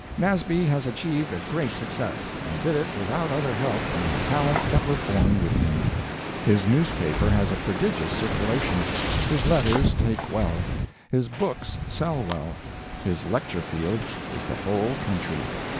Nasby has achieved a great success, and did it without other help than the talents that were born with him. His newspaper has a prodigious circulation; his letters take well; his books sell well; his lecture field is the whole country.